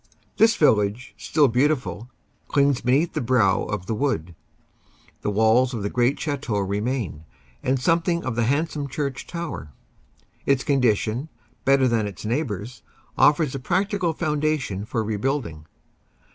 This village, still beautiful, clings beneath the brow of the wood. The walls of the great chateau remain, and something of the handsome church tower. Its condition, better than its neighbors, offers a practical foundation for rebuilding.